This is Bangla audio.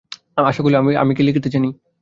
আশা কহিল, আমি কি লিখিতে জানি।